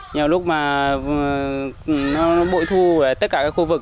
nhiều lúc mà nó bội thu ở tất cả các khu vực